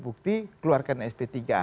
bukti keluarkan sp tiga